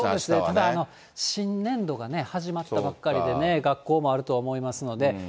ただ新年度がね、始まったばっかりでね、学校もあると思いますのでね。